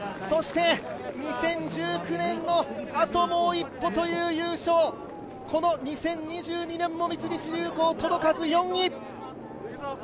そして２０１９年のあともう一歩という優勝、この２０２２年も三菱重工、届かず４位。